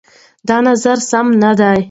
دا نظر سم نه دی.